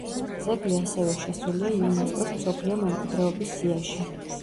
ძეგლი ასევე შესულია იუნესკოს მსოფლიო მემკვიდრეობის სიაში.